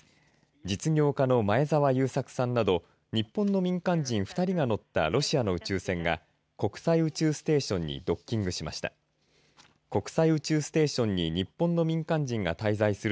実業家の前澤友作さんなど日本の民間人２人が乗ったロシアの宇宙船が国際宇宙ステーションにドッキングしました。